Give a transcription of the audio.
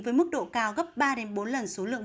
với mức độ cao gấp ba bốn lần số lượng